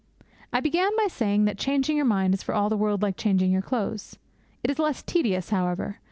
I began by saying that changing your mind is for all the world like changing your clothes. It is less tedious, however.